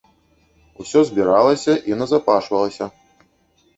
Усё збіралася і назапашвалася.